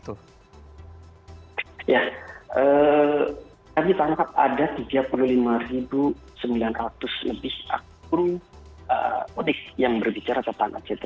kami tangkap ada tiga puluh lima sembilan ratus lebih akun unik yang berbicara tentang act